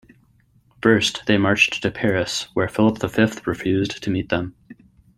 First, they marched to Paris where Philip the Fifth refused to meet them.